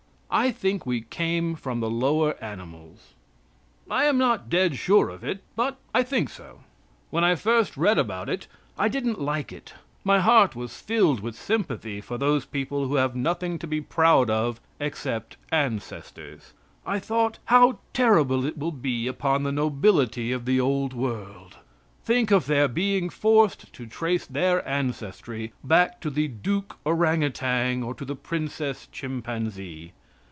I think we came from the lower animals. I am not dead sure of it, but think so. When I first read about it I didn't like it. My heart was filled with sympathy for those people who have nothing to be proud of except ancestors. I thought how terrible it will be upon the nobility of the old world. Think of their being forced to trace their ancestry back to the Duke Orang Outang or to the Princess Chimpanzee.